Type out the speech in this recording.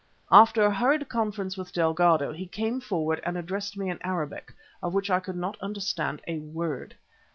After a hurried conference with Delgado, he came forward and addressed me in Arabic, of which I could not understand a word.